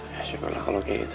ya syukurlah kalau kayak gitu